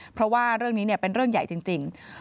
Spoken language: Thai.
เพราะว่าเรื่องนี้เป็นเรื่องใหญ่จริง